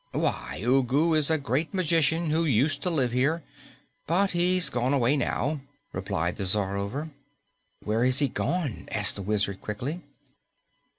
"Why, Ugu is a great magician who used to live here. But he's gone away now," replied the Czarover. "Where has he gone?" asked the Wizard quickly.